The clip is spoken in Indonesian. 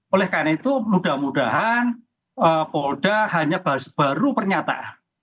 oleh karena itu mudah mudahan polda hanya baru ternyata